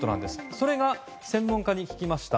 それを専門家に聞きました。